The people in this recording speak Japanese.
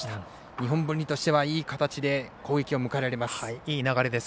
日本文理としてはいい形で攻撃を迎えられます。